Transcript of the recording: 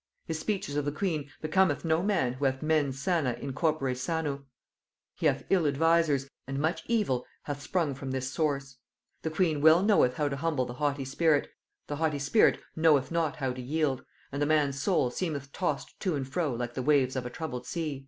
His speeches of the queen becometh no man who hath mens sana in corpore sano. He hath ill advisers, and much evil hath sprung from this source. "The queen well knoweth how to humble the haughty spirit, the haughty spirit knoweth not how to yield, and the man's soul seemeth tossed to and fro like the waves of a troubled sea."